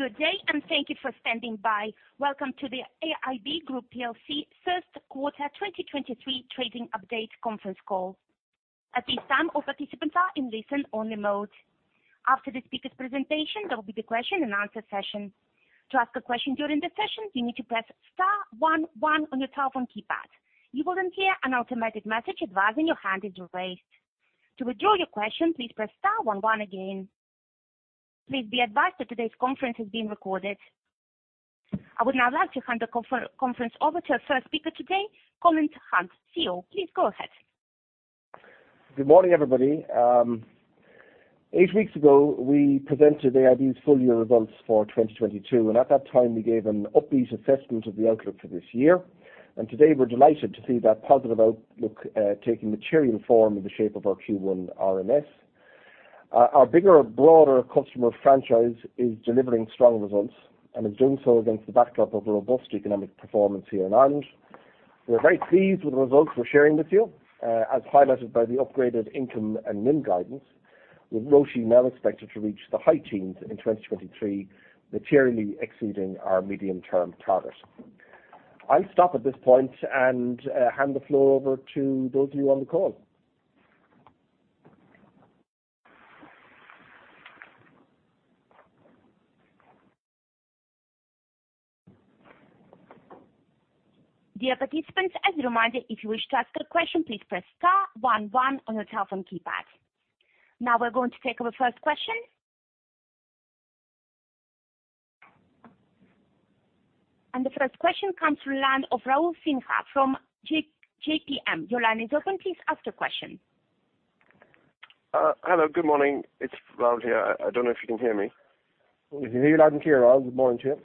Good day. Thank you for standing by. Welcome to the AIB Group PLC first quarter 2023 trading update conference call. At this time, all participants are in listen only mode. After the speaker's presentation, there will be the question and answer session. To ask a question during the session, you need to press star one one on your telephone keypad. You will hear an automated message advising your hand is raised. To withdraw your question, please press star one one again. Please be advised that today's conference is being recorded. I would now like to hand the conference over to our first speaker today, Colin Hunt, CEO. Please go ahead. Good morning, everybody. eight weeks ago, we presented AIB's full year results for 2022, and at that time, we gave an upbeat assessment of the outlook for this year. Today, we're delighted to see that positive outlook taking material form in the shape of our Q1 NIM. Our bigger and broader customer franchise is delivering strong results and is doing so against the backdrop of a robust economic performance here in Ireland. We are very pleased with the results we're sharing with you, as highlighted by the upgraded income and NIM guidance, with RoTE now expected to reach the high teens in 2023, materially exceeding our medium-term target. I'll stop at this point and hand the floor over to those of you on the call. Dear participants, as a reminder, if you wish to ask a question, please press star one one on your telephone keypad. Now we're going to take our first question. The first question comes from line of Raul Sinha from JPM. Your line is open. Please ask your question. Hello. Good morning. It's Rahul here. I don't know if you can hear me. We can hear you loud and clear, Rahul. Good morning to you.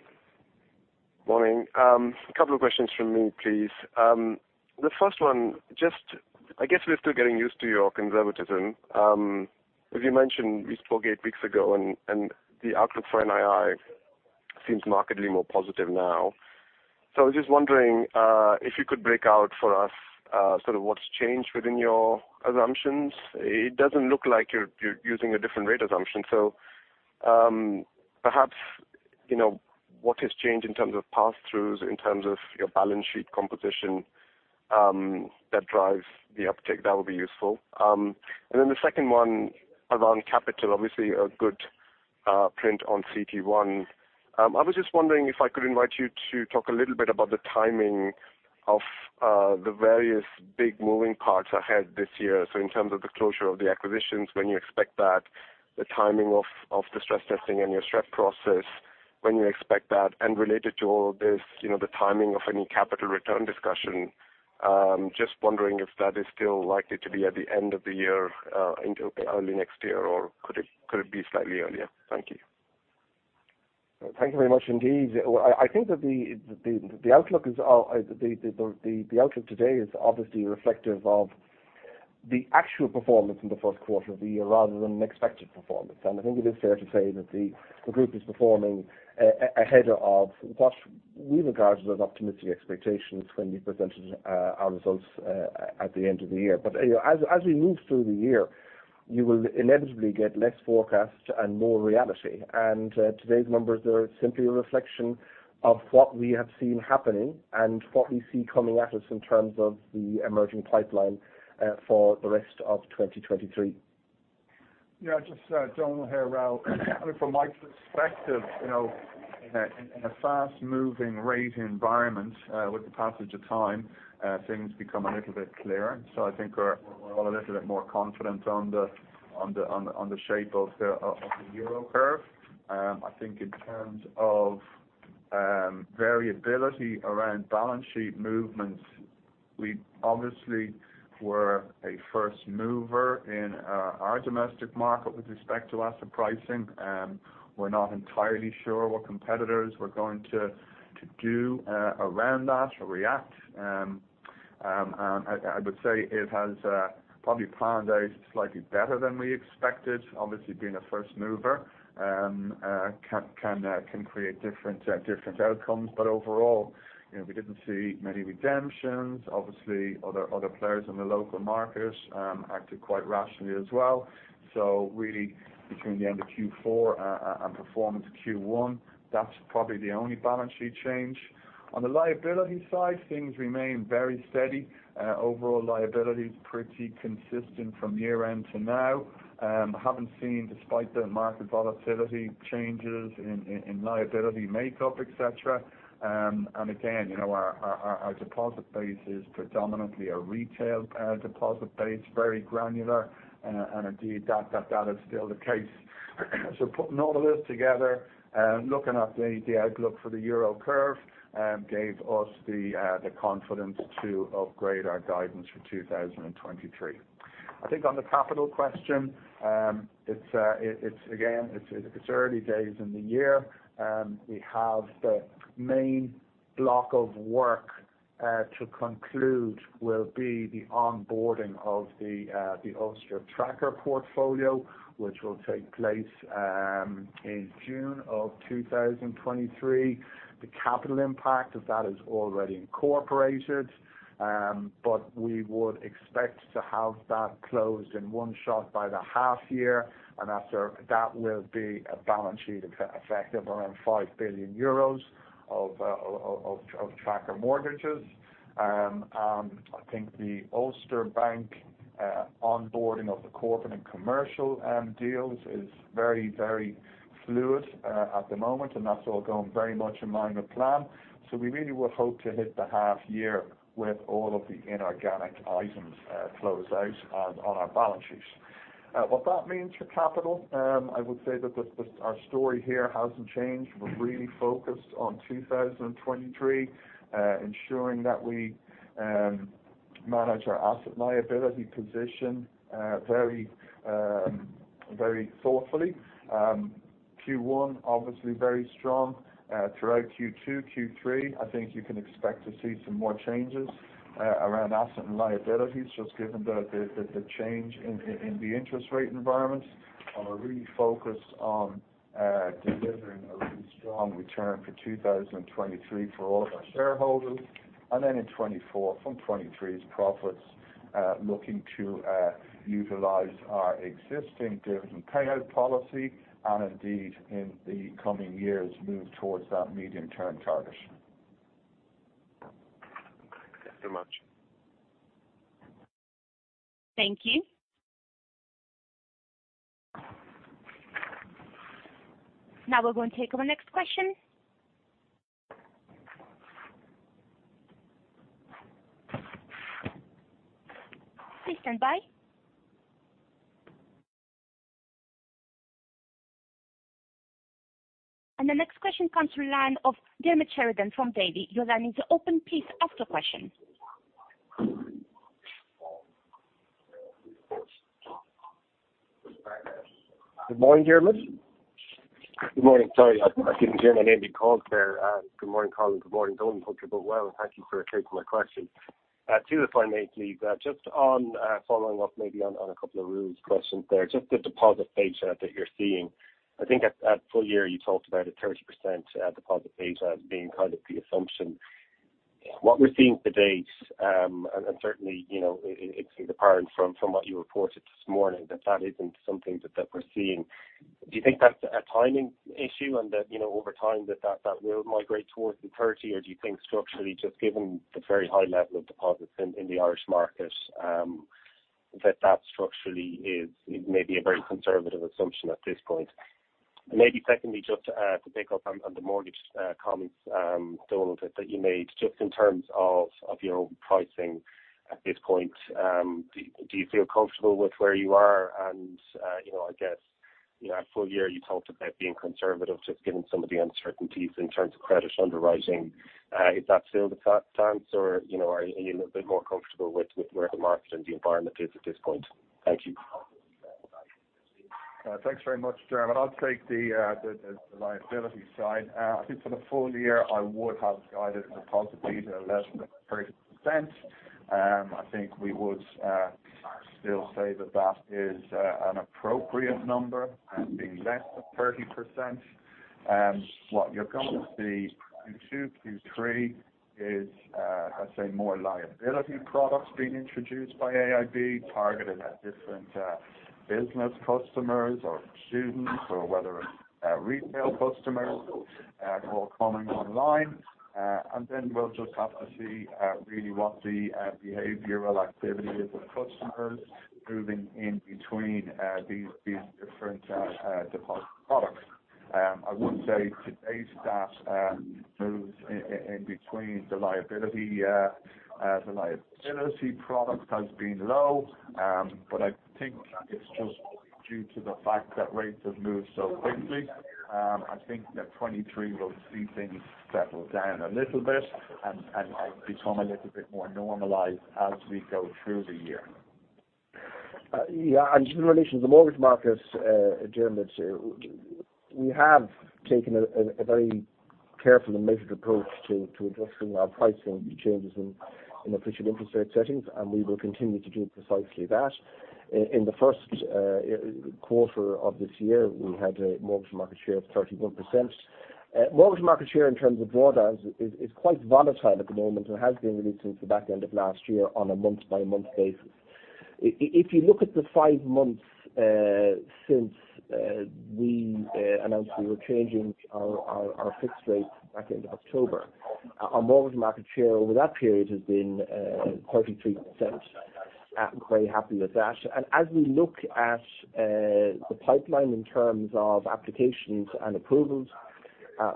Morning. A couple of questions from me, please. The first one, just I guess we're still getting used to your conservatism. As you mentioned, we spoke eight weeks ago, the outlook for NII seems markedly more positive now. I was just wondering if you could break out for us sort of what's changed within your assumptions. It doesn't look like you're using a different rate assumption. Perhaps, you know, what has changed in terms of pass-throughs, in terms of your balance sheet composition that drives the uptick? That would be useful. The second one around capital, obviously a good print on CET1. I was just wondering if I could invite you to talk a little bit about the timing of the various big moving parts ahead this year. In terms of the closure of the acquisitions, when you expect that, the timing of the stress testing and your stress process, when you expect that? Related to all of this, you know, the timing of any capital return discussion, just wondering if that is still likely to be at the end of the year, into early next year, or could it be slightly earlier? Thank you. Thank you very much indeed. Well, I think that the outlook is the outlook today is obviously reflective of the actual performance in the first quarter of the year rather than an expected performance. I think it is fair to say that the group is performing ahead of what we regarded as optimistic expectations when we presented our results at the end of the year. You know, as we move through the year, you will inevitably get less forecast and more reality. Today's numbers are simply a reflection of what we have seen happening and what we see coming at us in terms of the emerging pipeline for the rest of 2023. Yeah, just Donal here, Rahul. I mean, from my perspective, you know, in a fast-moving rate environment, with the passage of time, things become a little bit clearer. I think we're all a little bit more confident on the shape of the Euro curve. I think in terms of variability around balance sheet movements, we obviously were a first mover in our domestic market with respect to asset pricing. We're not entirely sure what competitors were going to do around that or react. I would say it has probably panned out slightly better than we expected. Obviously, being a first mover can create different outcomes. Overall, you know, we didn't see many redemptions. Obviously, other players in the local market, acted quite rationally as well. Really between the end of Q4 and performance of Q1, that's probably the only balance sheet change. On the liability side, things remain very steady. Overall liability is pretty consistent from year-end to now. Haven't seen, despite the market volatility, changes in liability makeup, et cetera. Again, you know, our deposit base is predominantly a retail deposit base, very granular. Indeed that data is still the case. Putting all of this together, looking at the outlook for the Euro curve, gave us the confidence to upgrade our guidance for 2023. I think on the capital question, it's again, it's early days in the year. We have the main block of work to conclude will be the onboarding of the Ulster Tracker portfolio, which will take place in June of 2023. The capital impact of that is already incorporated, but we would expect to have that closed in one shot by the half year. After that will be a balance sheet effective around 5 billion euros of tracker mortgages. I think the Ulster Bank onboarding of the corporate and commercial deals is very, very fluid at the moment, and that's all going very much in line with plan. We really would hope to hit the half year with all of the inorganic items closed out on our balance sheets. What that means for capital, I would say that our story here hasn't changed. We're really focused on 2023, ensuring that we manage our asset liability position very thoughtfully. Q1, obviously very strong. Throughout Q2, Q3, I think you can expect to see some more changes around asset and liabilities, just given the change in the interest rate environment. We're really focused on delivering a really strong return for 2023 for all our shareholders. In 2024 from 2023's profits, looking to utilize our existing dividend payout policy and indeed in the coming years, move towards that medium-term target. Thanks so much. Thank you. Now we're going to take our next question. Please stand by. The next question comes through line of Diarmaid Sheridan from Davy. You're now need to open please ask your question. Good morning, Diarmaid. Good morning. Sorry, I didn't hear my name being called there. Good morning, Colin. Good morning, Donal. I hope you're both well, and thank you for taking my question. Two if I may please. Just on a couple of Ruth's questions there, just the deposit beta that you're seeing. I think at full year, you talked about a 30% deposit beta as being kind of the assumption. What we're seeing to date, and certainly, you know, it's apparent from what you reported this morning that that isn't something that we're seeing. Do you think that's a timing issue and that, you know, over time that that will migrate towards the 30, or do you think structurally just given the very high level of deposits in the Irish market, that that structurally is maybe a very conservative assumption at this point? Maybe secondly, just to pick up on the mortgage comments, Donal that you made, just in terms of your pricing at this point, do you feel comfortable with where you are? You know, I guess, you know, at full year you talked about being conservative just given some of the uncertainties in terms of credit underwriting. Is that still the case or, you know, are you a little bit more comfortable with where the market and the environment is at this point? Thank you. Thanks very much, Diarmaid. I'll take the liability side. I think for the full year, I would have guided deposit beta less than 30%. I think we would still say that that is an appropriate number and being less than 30%. What you're going to see in Q2, Q3 is, I'd say more liability products being introduced by AIB targeted at different business customers or students or whether it's retail customers, all coming online. We'll just have to see really what the behavioral activity of the customers moving in between these different deposit products. I would say today's that moves in between the liability product has been low. I think it's just due to the fact that rates have moved so quickly. I think that 2023 will see things settle down a little bit and become a little bit more normalized as we go through the year. Yeah. Just in relation to the mortgage markets, Diarmaid, we have taken a very careful and measured approach to adjusting our pricing changes in official interest rate settings, and we will continue to do precisely that. In the first quarter of this year, we had a mortgage market share of 31%. Mortgage market share in terms of drawdowns is quite volatile at the moment and has been really since the back end of last year on a month-by-month basis. If you look at the 5 months since we announced we were changing our fixed rate back end of October, our mortgage market share over that period has been 33%. I'm quite happy with that. As we look at the pipeline in terms of applications and approvals,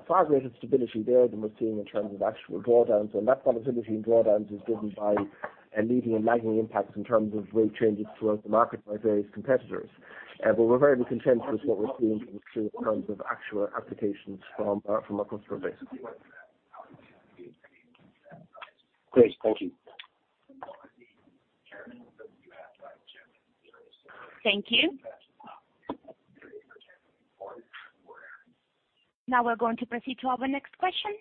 far greater stability there than we're seeing in terms of actual drawdowns. That volatility in drawdowns is driven by a leading and lagging impact in terms of rate changes throughout the market by various competitors. We're very content with what we're seeing in terms of actual applications from our, from our customer base. Great. Thank you. Thank you. Now we're going to proceed to our next question.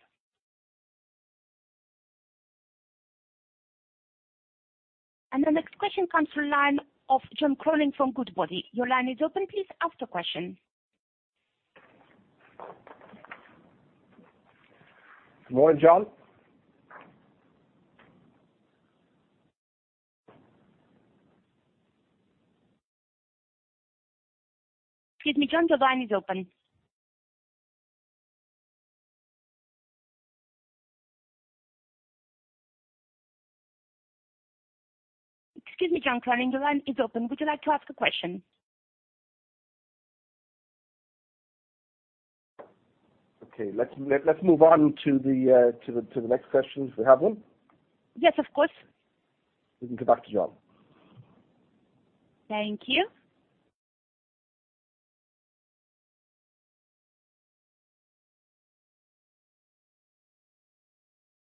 The next question comes from line of John Cronin from Goodbody. Your line is open. Please ask the question. Good morning, John. Excuse me, John. The line is open. Excuse me, John Cronin. The line is open. Would you like to ask a question? Okay. Let's move on to the next question, if we have one. Yes, of course. We can go back to John. Thank you.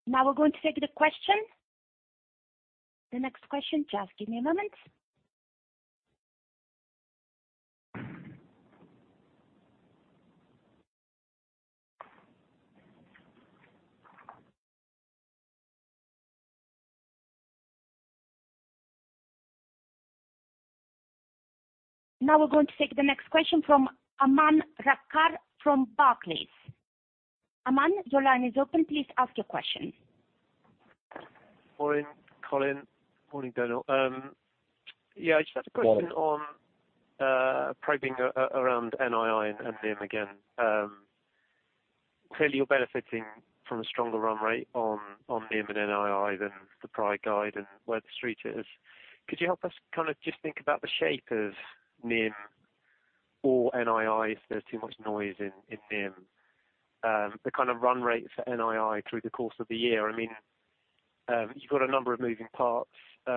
Now we're going to take the question. The next question. Just give me a moment. Now we're going to take the next question from Aman Rakkar from Barclays. Aman, your line is open. Please ask your question. Morning, Colin. Morning, Donal. Yeah, I just had a question on probing around NII and NIM again. Clearly you're benefiting from a stronger run rate on NIM and NII than the prior guide and where the street is. Could you help us kind of just think about the shape of NIM or NII if there's too much noise in NIM, the kind of run rate for NII through the course of the year? I mean, you've got a number of moving parts, you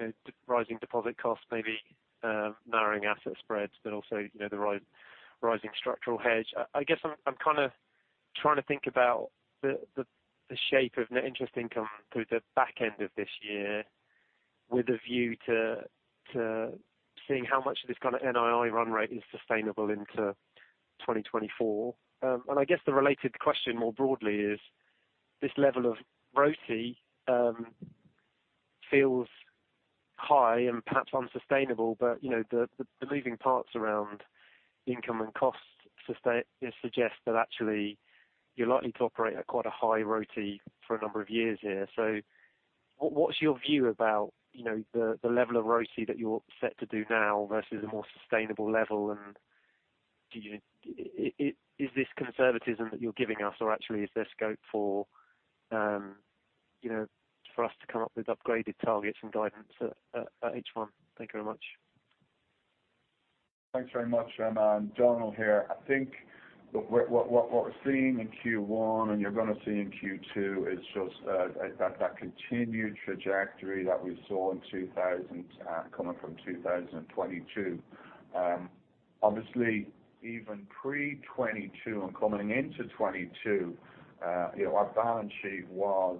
know, rising deposit costs, maybe narrowing asset spreads, but also, you know, the rising structural hedge. I guess I'm kinda trying to think about the shape of net interest income through the back end of this year with a view to seeing how much of this kind of NII run rate is sustainable into 2024. I guess the related question more broadly is this level of ROTE feels high and perhaps unsustainable, but, you know, the moving parts around income and costs suggest that actually you're likely to operate at quite a high ROTE for a number of years here. What's your view about, you know, the level of ROTE that you're set to do now versus a more sustainable level? And do you... Is this conservatism that you're giving us, or actually is there scope for, you know, for us to come up with upgraded targets and guidance at H one? Thank you very much. Thanks very much, Aman. Donal here. I think what we're seeing in Q1 and you're gonna see in Q2 is just that continued trajectory that we saw in 2000 coming from 2022. Obviously even pre 2022 and coming into 2022, you know, our balance sheet was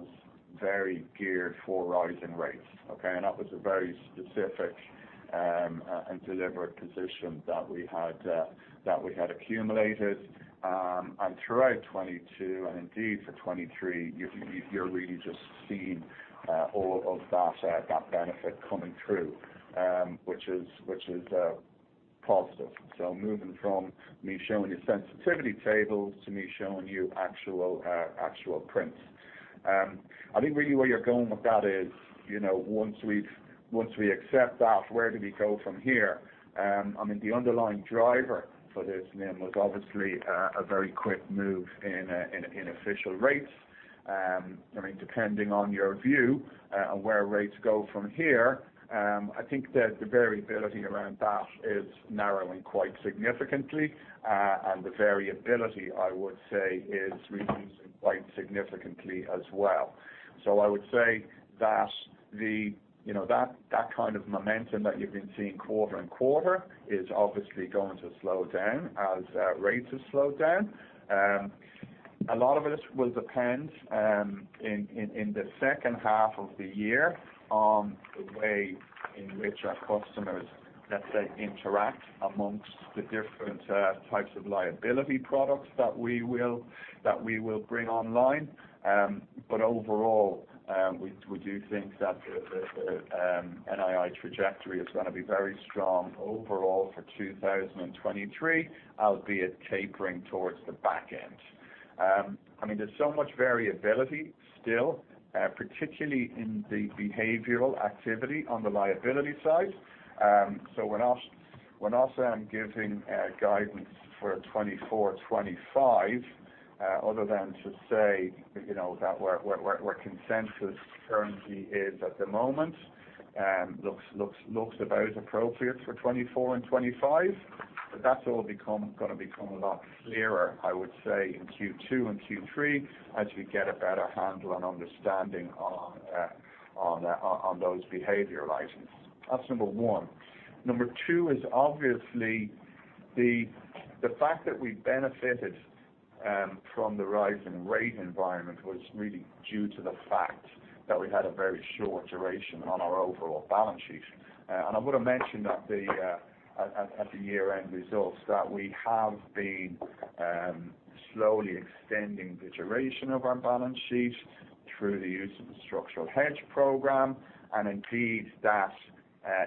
very geared for rising rates. Okay? That was a very specific and deliberate position that we had that we had accumulated. Throughout 2022 and indeed for 2023, you're really just seeing all of that benefit coming through which is positive. Moving from me showing you sensitivity tables to me showing you actual actual prints. I think really where you're going with that is, you know, once we accept that, where do we go from here? I mean, the underlying driver for this NIM was obviously a very quick move in official rates. I mean depending on your view on where rates go from here, I think the variability around that is narrowing quite significantly. The variability I would say is reducing quite significantly as well. I would say that the, you know, that kind of momentum that you've been seeing quarter and quarter is obviously going to slow down as rates have slowed down. A lot of it will depend in the second half of the year on the way in which our customers, let's say, interact amongst the different types of liability products that we will bring online. Overall, we do think that the NII trajectory is gonna be very strong overall for 2023, albeit tapering towards the back end. I mean, there's so much variability still, particularly in the behavioral activity on the liability side. We're not saying giving guidance for 2024, 2025, other than to say, you know, that we're consensus currently is at the moment, looks about appropriate for 2024 and 2025. That's all gonna become a lot clearer, I would say, in Q2 and Q3 as we get a better handle and understanding on those behavioral items. That's number one. Number two is obviously the fact that we benefited from the rise in rate environment was really due to the fact that we had a very short duration on our overall balance sheet. I would have mentioned at the year-end results that we have been slowly extending the duration of our balance sheet through the use of the structural hedge program. Indeed, that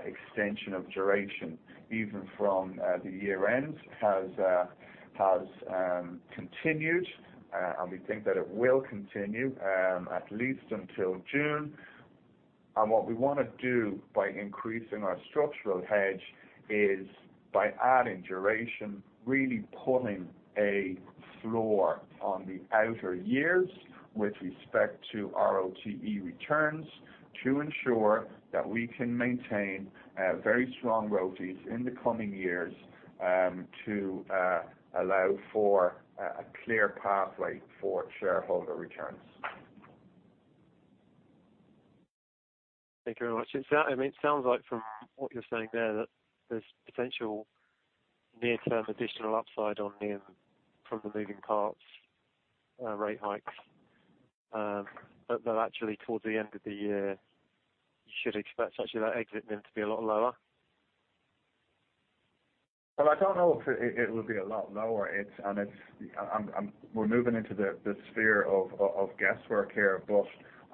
extension of duration, even from the year-end, has continued. We think that it will continue at least until June. What we wanna do by increasing our structural hedge is, by adding duration, really putting a floor on the outer years with respect to RoTE returns to ensure that we can maintain a very strong RoTEs in the coming years, to allow for a clear pathway for shareholder returns. Thank you very much. I mean, it sounds like from what you're saying there that there's potential near-term additional upside on NIM from the moving parts, rate hikes. Actually towards the end of the year, you should expect actually that exit NIM to be a lot lower. I don't know if it would be a lot lower. It's, and it's, we're moving into the sphere of guesswork here, but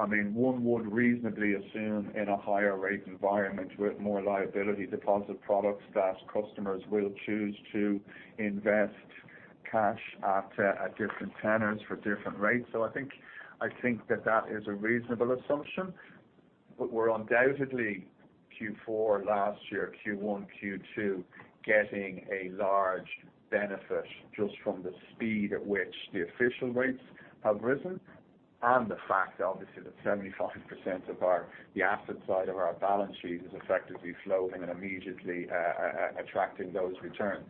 I mean, one would reasonably assume in a higher rate environment with more liability deposit products that customers will choose to invest cash at different tenors for different rates. I think that that is a reasonable assumption. We're undoubtedly, Q4 last year, Q1, Q2, getting a large benefit just from the speed at which the official rates have risen and the fact obviously that 75% of our the asset side of our balance sheet is effectively floating and immediately attracting those returns.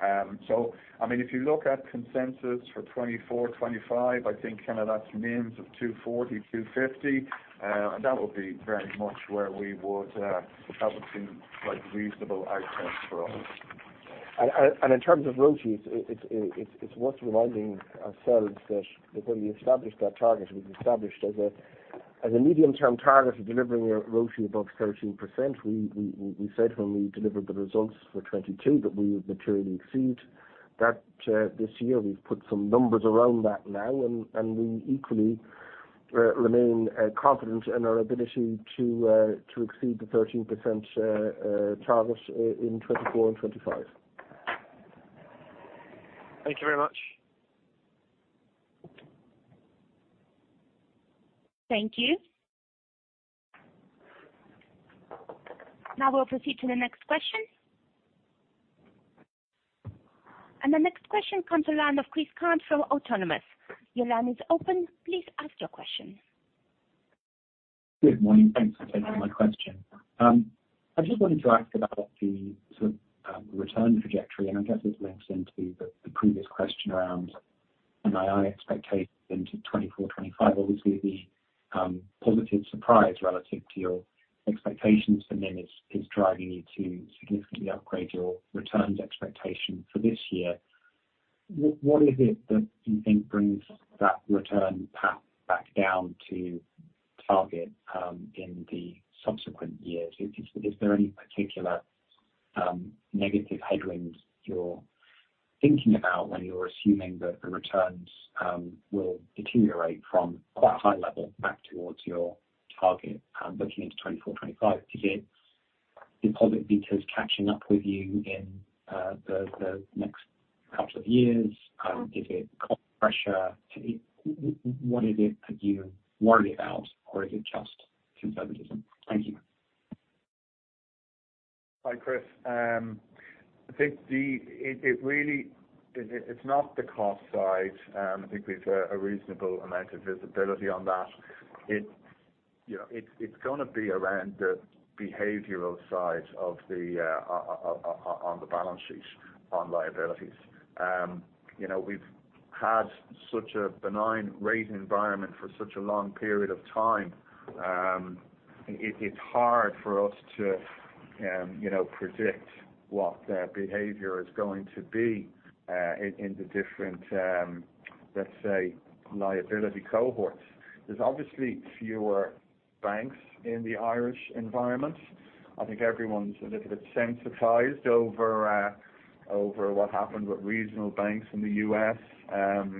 I mean, if you look at consensus for 2024, 2025, I think kinda that's NIMs of 2.40, 2.50. That would be very much where we would, that would seem like reasonable outcomes for us. In terms of RoTEs, it's worth reminding ourselves that when we established that target, we established as a medium-term target of delivering a RoTE above 13%. We said when we delivered the results for 2022 that we would materially exceed that this year. We've put some numbers around that now, and we equally remain confident in our ability to exceed the 13% target in 2024 and 2025. Thank you very much. Thank you. Now we'll proceed to the next question. The next question comes to the line of Chris Cant from Autonomous. Your line is open. Please ask your question. Good morning. Thanks for taking my question. I just wanted to ask about the sort of return trajectory, and I guess it links into the previous question around NII expectations into 2024/2025. Obviously, the positive surprise relative to your expectations for NIM is driving you to significantly upgrade your returns expectation for this year. What is it that you think brings that return path back down to target in the subsequent years? Is there any particular negative headwinds you're thinking about when you're assuming that the returns will deteriorate from quite a high level back towards your target looking into 2024/2025? Is it deposit betas catching up with you in the next couple of years? Is it cost pressure? What is it that you worry about? Or is it just conservatism? Thank you. Hi, Chris. I think it's not the cost side. I think we've a reasonable amount of visibility on that. It's, you know, it's going to be around the behavioral side of the on the balance sheets on liabilities. You know, we've had such a benign rate environment for such a long period of time. It's hard for us to, you know, predict what behavior is going to be in the different, let's say, liability cohorts. There's obviously fewer banks in the Irish environment. I think everyone's a little bit sensitized over what happened with regional banks in the U.S.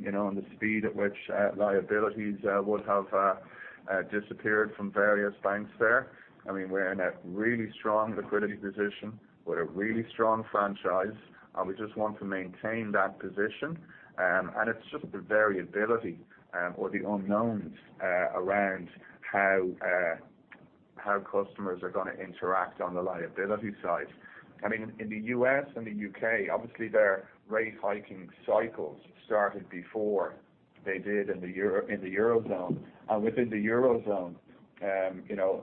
You know, the speed at which liabilities would have disappeared from various banks there. I mean, we're in a really strong liquidity position with a really strong franchise, and we just want to maintain that position. It's just the variability, or the unknowns, around how customers are gonna interact on the liability side. I mean, in the U.S. and the U.K., obviously their rate hiking cycles started before they did in the Eurozone. Within the Eurozone, you know,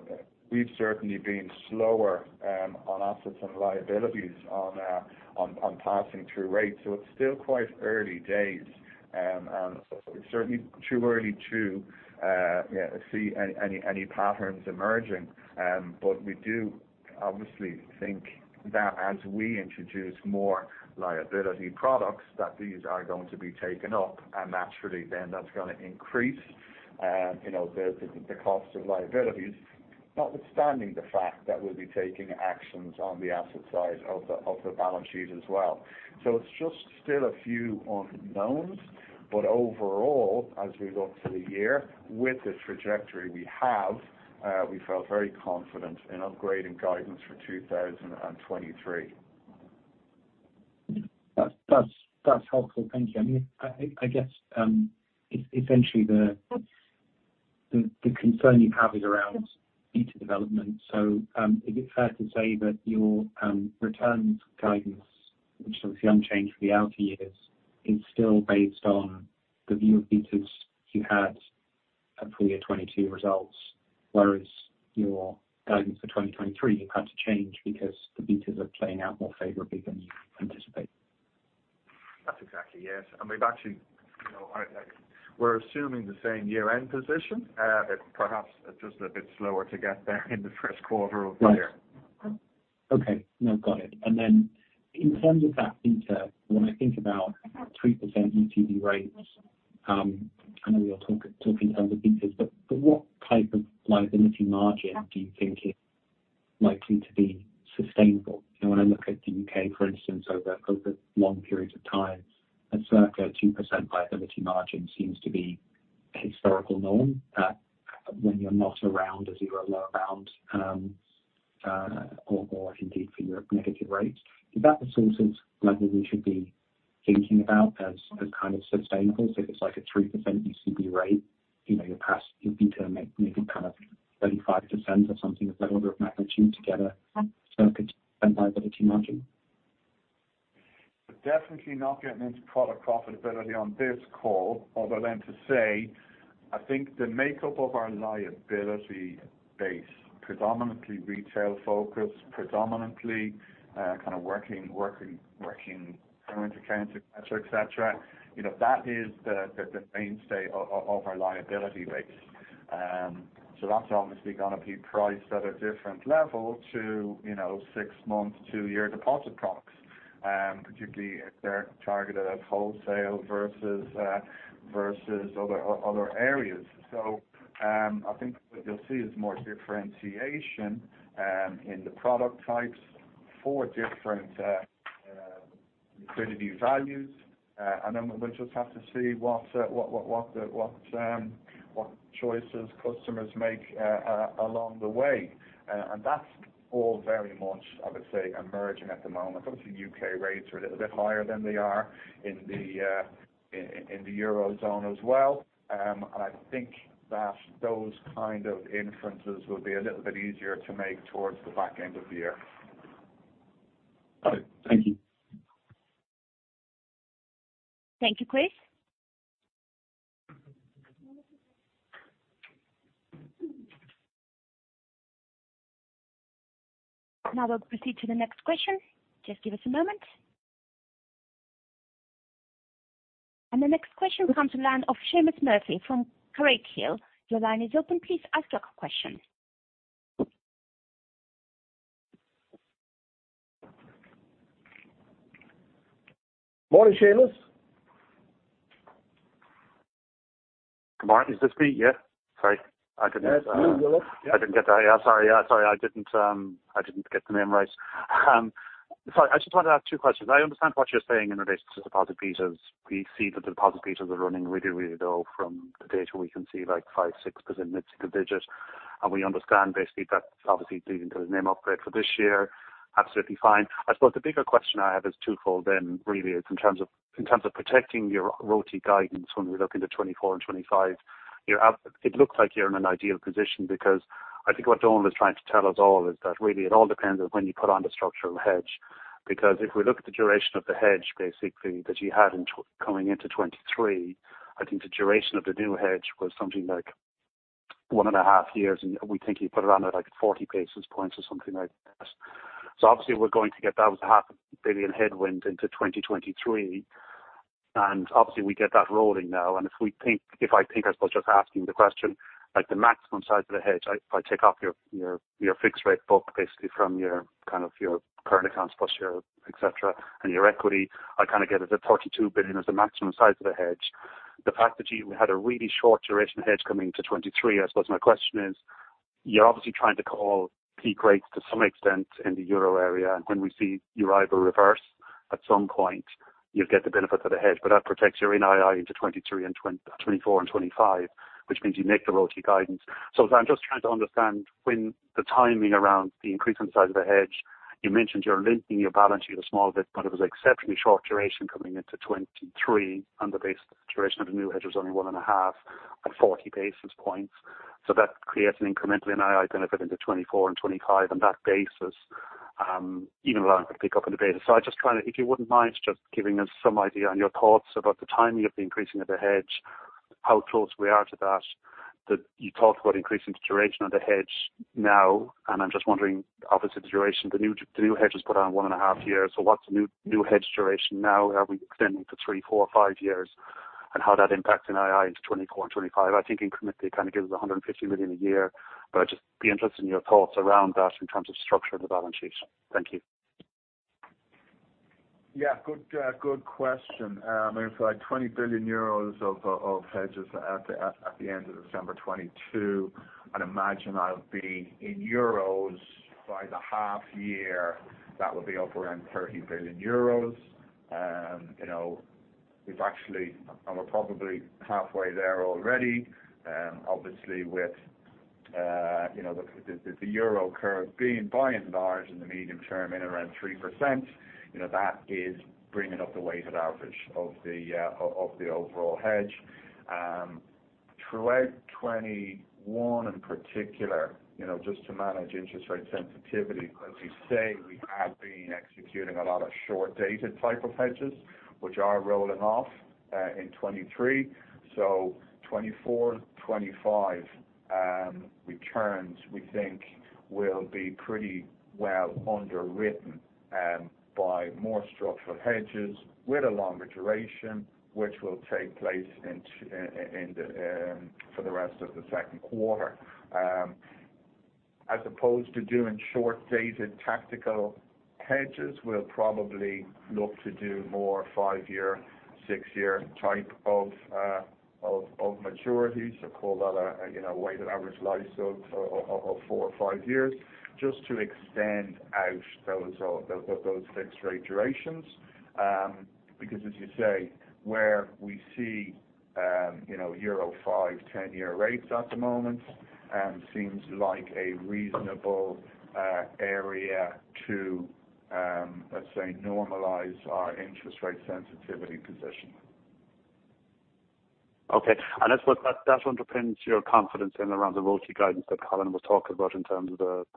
we've certainly been slower on assets and liabilities on passing through rates. It's still quite early days. It's certainly too early to, you know, see any patterns emerging. We do obviously think that as we introduce more liability products, that these are going to be taken up, and naturally then that's gonna increase, you know, the, the cost of liabilities. Notwithstanding the fact that we'll be taking actions on the asset side of the, of the balance sheet as well. It's just still a few unknowns. Overall, as we look to the year with the trajectory we have, we felt very confident in upgrading guidance for 2023. That's helpful. Thank you. I mean, I guess, essentially the concern you have is around beta development. Is it fair to say that your returns guidance, which is obviously unchanged for the outer years, is still based on the view of betas you had for your 22 results, whereas your guidance for 2023, you've had to change because the betas are playing out more favorably than you anticipated? That's exactly, yes. We've actually, you know, we're assuming the same year-end position. It perhaps is just a bit slower to get there in the first quarter of the year. Right. Okay. No, got it. In terms of that beta, when I think about 3% LTV rates, I know you're talking in terms of betas, but what type of liability margin do you think is likely to be sustainable? You know, when I look at the U.K., for instance, over long periods of time, a circa 2% liability margin seems to be historical norm, when you're not around a 0 lower bound or indeed for your negative rates. Is that the sort of level we should be thinking about as kind of sustainable? If it's like a 3% ECB rate, you know, your beta making kind of 35% or something of that order of magnitude to get a circa liability margin. Definitely not getting into product profitability on this call, other than to say, I think the makeup of our liability base, predominantly retail-focused, predominantly, kind of working current account, et cetera, et cetera. You know, that is the mainstay over liability base. That's obviously gonna be priced at a different level to, you know, six-month, two-year deposit products, particularly if they're targeted at wholesale versus versus other areas. I think what you'll see is more differentiation in the product types for different liquidity values. We'll just have to see what choices customers make along the way. That's all very much, I would say, emerging at the moment. Obviously, U.K. rates are a little bit higher than they are in the Eurozone as well. I think that those kind of inferences will be a little bit easier to make towards the back end of the year. Okay, thank you. Thank you, Chris. Now we'll proceed to the next question. Just give us a moment. The next question will come to the line of Seamus Murphy from Carraighill. Your line is open. Please ask your question. Morning, Seamus. Good morning. Is this me? Yeah. Sorry. Yes. You, Willis. Yeah. Yeah, sorry, I didn't get the name right. Sorry. I just wanted to ask two questions. I understand what you're saying in relation to deposit betas. We see that the deposit betas are running really, really low from the data we can see, like 5%, 6%, mid-single digit. We understand basically that's obviously leading to the NIM upgrade for this year. Absolutely fine. I suppose the bigger question I have is twofold then really is in terms of, in terms of protecting your RoTE guidance when we look into 2024 and 2025. It looks like you're in an ideal position because I think what Donal was trying to tell us all is that really it all depends on when you put on the structural hedge. If we look at the duration of the hedge basically that you had coming into 2023, I think the duration of the new hedge was something like one and a half years, and we think you put it on at, like, 40 basis points or something like that. Obviously we're going to get that as a EUR half billion headwind into 2023, and obviously we get that rolling now. If we think, if I think, I suppose just asking the question, like the maximum size of the hedge, if I take off your fixed rate book basically from your, kind of your current accounts plus your et cetera, and your equity, I kinda get it at 42 billion as the maximum size of the hedge. The fact that you had a really short duration hedge coming to 2023, I suppose my question is, you're obviously trying to call peak rates to some extent in the Euro area, and when we see Euribor reverse, at some point you'll get the benefit of the hedge. That protects your NII into 2023 and 2024 and 2025, which means you make the RoTE guidance. I'm just trying to understand when the timing around the increase in size of the hedge. You mentioned you're limiting your balance sheet a small bit, but it was exceptionally short duration coming into 2023, and the base duration of the new hedge was only 1.5 at 40 basis points. That creates an incremental NII benefit into 2024 and 2025 on that basis, even allowing for pickup in the basis. I just kinda, if you wouldn't mind just giving us some idea on your thoughts about the timing of the increasing of the hedge, how close we are to that. You talked about increasing the duration of the hedge now, and I'm just wondering, obviously, the duration, the new hedge was put on one and a half years. What's the new hedge duration now? Are we extending to three, four, five years? How that impacts NII into 2024 and 2025. I think incrementally it kind of gives us 150 million a year. I'd just be interested in your thoughts around that in terms of structure of the balance sheet. Thank you. Yeah. Good, good question. If like 20 billion euros of hedges at the end of December 2022, I'd imagine that'll be in euros by the half year, that would be up around 30 billion euros. You know, we've actually we're probably halfway there already, obviously with, you know, the euro curve being by and large in the medium term in around 3%, you know, that is bringing up the weighted average of the overall hedge. Throughout 2021, in particular, you know, just to manage interest rate sensitivity, as you say, we have been executing a lot of short-dated type of hedges which are rolling off in 2023. 2024, 2025, returns we think will be pretty well underwritten by more structural hedges with a longer duration which will take place for the rest of the second quarter. As opposed to doing short-dated tactical hedges, we'll probably look to do more five-year, six-year type of maturities. Call that a, you know, weighted average life of four or five years just to extend out those fixed rate durations. Because as you say, where we see, you know, euro 5, 10-year rates at the moment, seems like a reasonable area to let's say normalize our interest rate sensitivity position. I suppose that underpins your confidence in around the RoTE guidance that Colin was talking about in terms of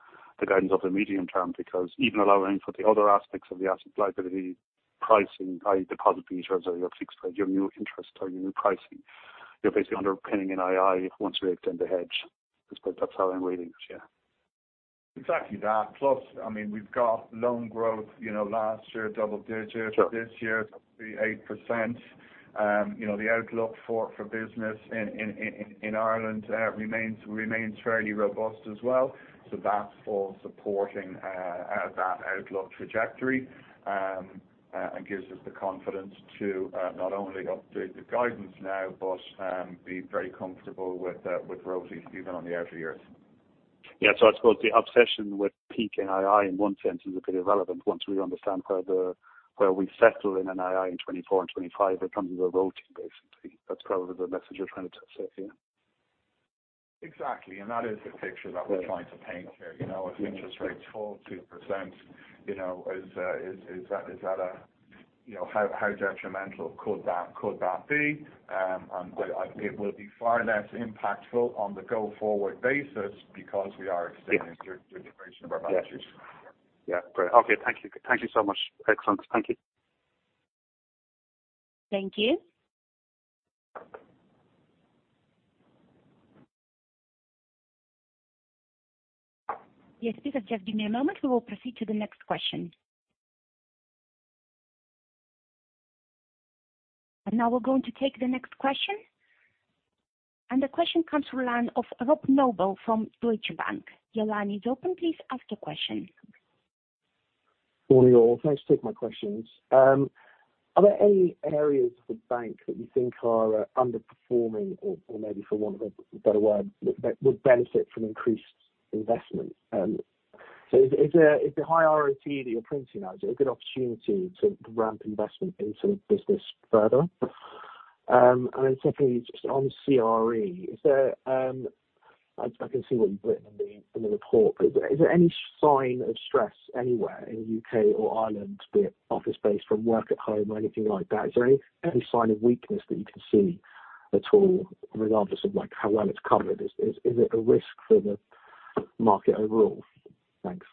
the guidance of the medium term. Because even allowing for the other aspects of the asset liability pricing, i.e. deposit features or your fixed rate, your new interest or your new pricing, you're basically underpinning NII once you extend the hedge. I suppose that's how I'm reading it, yeah. Exactly that. Plus, I mean, we've got loan growth, you know, last year double digits. Sure. This year it'll be 8%. You know, the outlook for business in Ireland, remains fairly robust as well. That's all supporting that outlook trajectory, and gives us the confidence to not only update the guidance now, but be very comfortable with RoTE even on the outer years. Yeah. I suppose the obsession with peak NII in one sense is a bit irrelevant once we understand where we settle in NII in 2024 and 2025 in terms of the RoTE basically. That's probably the message you're trying to say here. Exactly. That is the picture. Yeah. that we're trying to paint here. You know. Sure. if interest rates fall 2%, you know, You know, how detrimental could that be? I think it will be far less impactful on the go forward basis because we are Yeah. the duration of our hedges. Yeah. Yeah. Great. Okay. Thank you. Thank you so much. Excellent. Thank you. Thank you. Yes, please just give me a moment. We will proceed to the next question. Now we're going to take the next question. The question comes from line of Rob Noble from Deutsche Bank. Your line is open. Please ask your question. Morning, all. Thanks for taking my questions. Are there any areas of the bank that you think are underperforming or maybe for want of a better word, that would benefit from increased investment? Is the high RoTE that you're printing now, is it a good opportunity to ramp investment into the business further? Then secondly, just on CRE, is there... I can see what you've written in the, in the report. Is there, is there any sign of stress anywhere in the U.K. or Ireland, be it office space from work at home or anything like that? Is there any sign of weakness that you can see at all, regardless of, like, how well it's covered? Is, is it a risk for the market overall? Thanks.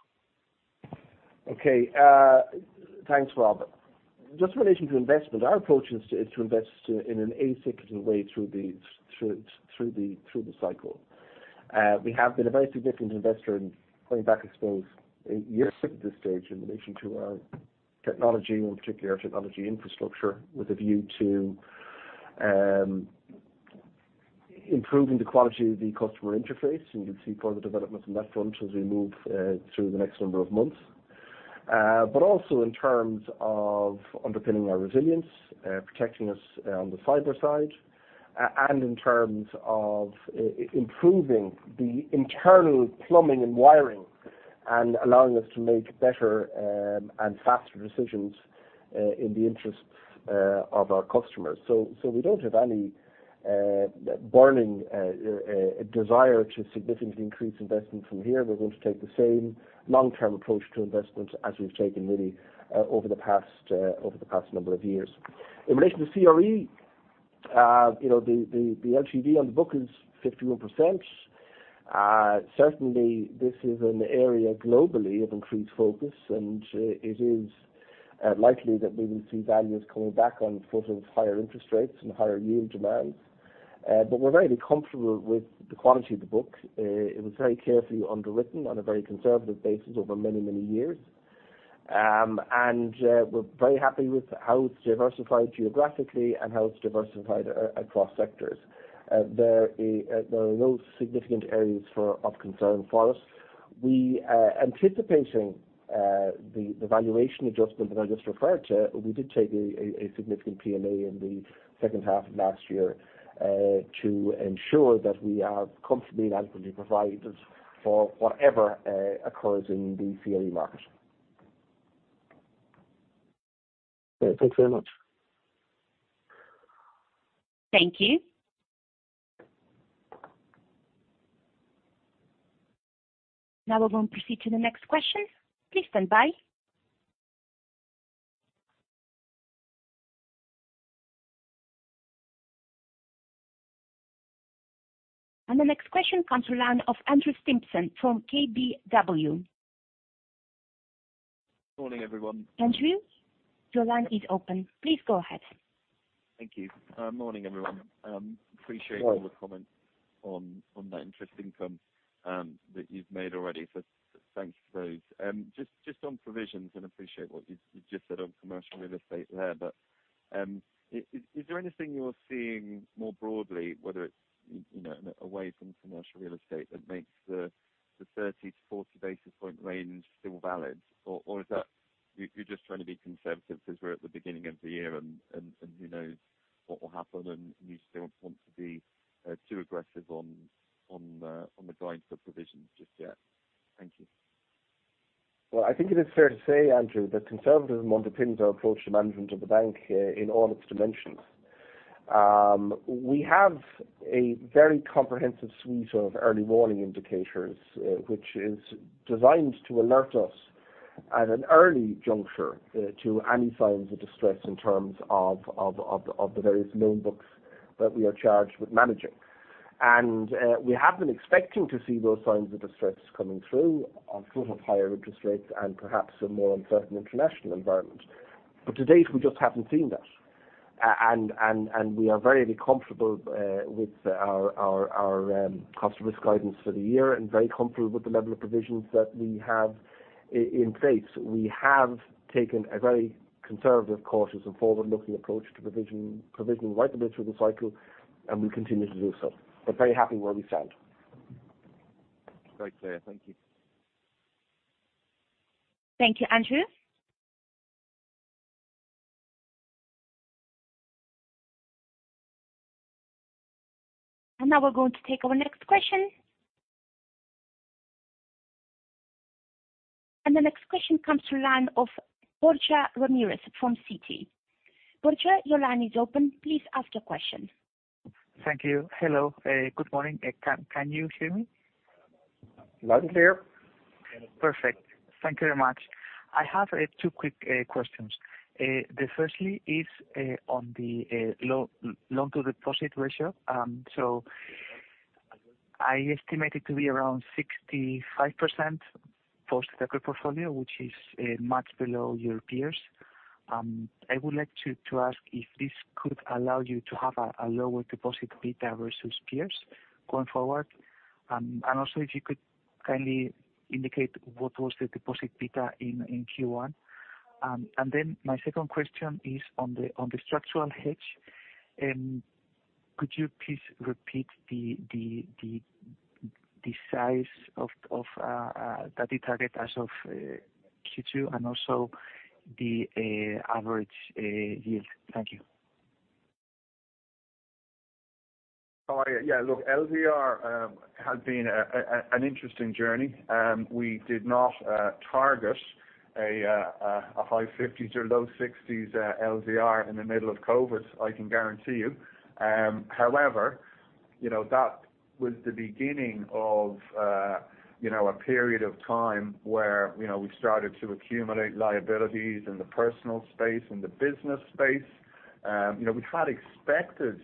Okay. Thanks, Rob. Just in relation to investment, our approach is to invest in an asynchronous way through the cycle. We have been a very significant investor in going back, I suppose, eight years at this stage in relation to our technology, in particular our technology infrastructure, with a view to improving the quality of the customer interface. And you'll see further developments on that front as we move through the next number of months. Also in terms of underpinning our resilience, protecting us on the cyber side and in terms of improving the internal plumbing and wiring and allowing us to make better and faster decisions in the interests of our customers. We don't have any burning desire to significantly increase investment from here. We're going to take the same long-term approach to investment as we've taken really, over the past, over the past number of years. In relation to CRE, you know, the LTV on the book is 51%. Certainly this is an area globally of increased focus and, it is, likely that we will see values coming back on foot of higher interest rates and higher yield demands. We're very comfortable with the quality of the book. It was very carefully underwritten on a very conservative basis over many, many years. We're very happy with how it's diversified geographically and how it's diversified across sectors. There are no significant areas of concern for us. We, anticipating the valuation adjustment that I just referred to, we did take a significant PMA in the second half of last year, to ensure that we are comfortably and adequately provided for whatever occurs in the CRE market. Okay. Thanks very much. Thank you. Now we're going to proceed to the next question. Please stand by. The next question comes to line of Andrew Stimpson from KBW. Morning, everyone. Andrew, your line is open. Please go ahead. Thank you. Morning, everyone. Morning. all the comments on that interest income that you've made already. Thanks for those. Just on provisions, and appreciate what you just said on Commercial Real Estate there, is there anything you're seeing more broadly, whether it's, you know, away from Commercial Real Estate that makes the 30- 40 basis point range still valid? Or is that you're just trying to be conservative because we're at the beginning of the year and who knows what will happen and you just don't want to be too aggressive on the guides for provisions just yet? Thank you. Well, I think it is fair to say, Andrew, that conservatism underpins our approach to management of the bank in all its dimensions. We have a very comprehensive suite of early warning indicators, which is designed to alert us at an early juncture to any signs of distress in terms of the various loan books that we are charged with managing. We have been expecting to see those signs of distress coming through on foot of higher interest rates and perhaps a more uncertain international environment. To date, we just haven't seen that. We are very comfortable with our cost risk guidance for the year and very comfortable with the level of provisions that we have in place. We have taken a very conservative, cautious, and forward-looking approach to provision, provisioning right the way through the cycle, and we continue to do so. Very happy where we stand. Very clear. Thank you. Thank you, Andrew. Now we're going to take our next question. The next question comes to line of Borja Ramirez from Citi. Borja, your line is open. Please ask your question. Thank you. Hello. Good morning. Can you hear me? Loud and clear. Perfect. Thank you very much. I have two quick questions. The firstly is on the loan to deposit ratio. I estimate it to be around 65% post-secure portfolio, which is much below your peers. I would like to ask if this could allow you to have a lower deposit beta versus peers going forward. Also if you could kindly indicate what was the deposit beta in Q1. My second question is on the structural hedge. Could you please repeat the size that you target as of Q2 and also the average yield? Thank you. Yeah. Look, LDR has been an interesting journey. We did not target a high fifties or low sixties LDR in the middle of COVID, I can guarantee you. However, you know, that was the beginning of, you know, a period of time where, you know, we started to accumulate liabilities in the personal space, in the business space. You know, we kind of expected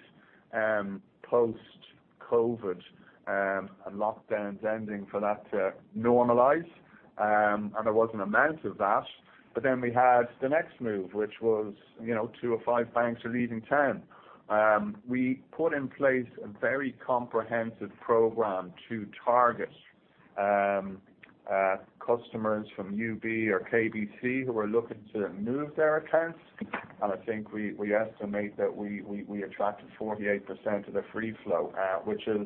post-COVID and lockdowns ending for that to normalize, and there was an amount of that. We had the next move, which was, you know, two or five banks are leaving town. We put in place a very comprehensive program to target customers from UB or KBC who are looking to move their accounts. I think we estimate that we attracted 48% of the free flow, which is,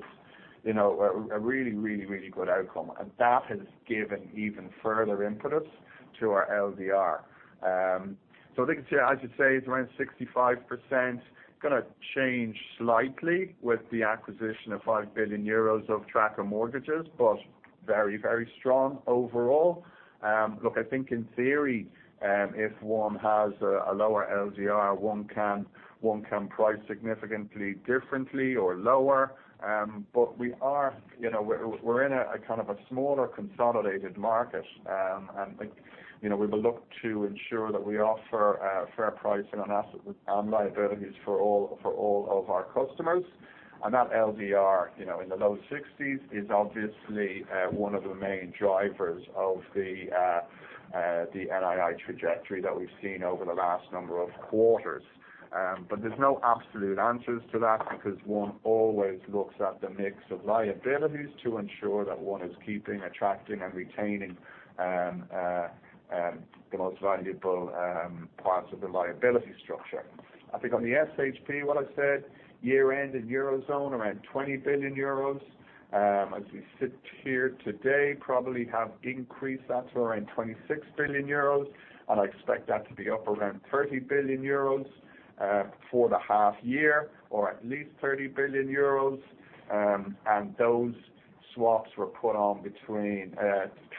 you know, a really, really, really good outcome. That has given even further impetus to our LDR. I think it's I should say it's around 65%. Gonna change slightly with the acquisition of 5 billion euros of tracker mortgages, but very, very strong overall. Look, I think in theory, if one has a lower LDR, one can price significantly differently or lower. We are, you know, we're in a kind of a smaller consolidated market. You know, we will look to ensure that we offer fair pricing on asset liabilities for all of our customers. u know, in the low 60s is obviously one of the main drivers of the NII trajectory that we've seen over the last number of quarters. But there's no absolute answers to that because one always looks at the mix of liabilities to ensure that one is keeping, attracting, and retaining the most valuable parts of the liability structure. I think on the SHP, what I said, year-end in eurozone around 20 billion euros. As we sit here today, probably have increased that to around 26 billion euros, and I expect that to be up around 30 billion euros for the half year or at least 30 billion euros. And those swaps were put on between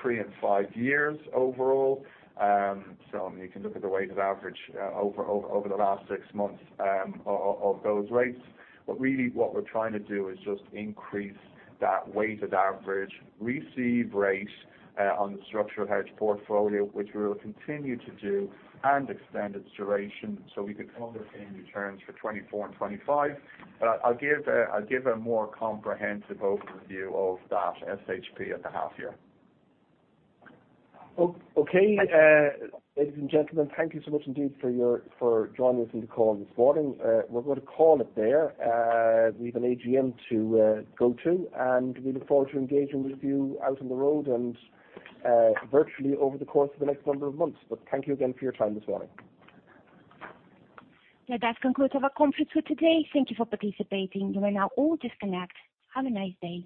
three and five years overall. You can look at the weighted average over the last 6 months of those rates. Really what we're trying to do is just increase that weighted average receive rate on the structural hedge portfolio, which we will continue to do and extend its duration so we could understand returns for 2024 and 2025. I'll give a more comprehensive overview of that SHP at the half year. Okay. Ladies and gentlemen, thank you so much indeed for joining us on the call this morning. We're going to call it there. We have an AGM to go to, and we look forward to engaging with you out on the road and virtually over the course of the next number of months. Thank you again for your time this morning. That concludes our conference call today. Thank You for participating. You are now all disconnected. Have a nice day.